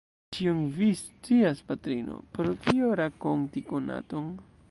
Ĉion vi scias, patrino, pro kio rakonti konaton?